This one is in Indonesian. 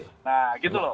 nah gitu loh